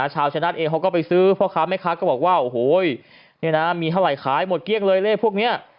ชาวชัยนาธิ์เองเขาก็ไปซื้อพ่อค้าแม่ค้าก็บอกว่ามีเท่าไหร่ขายหมดเกลี้ยงเลยเลขพวกนี้